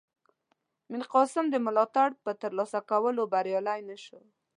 میرقاسم د ملاتړ په ترلاسه کولو بریالی نه شو.